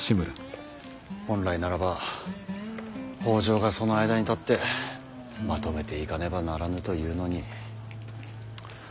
本来ならば北条がその間に立ってまとめていかねばならぬというのに。